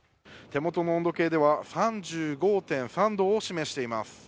手元の温度計では３５．３度を示しています。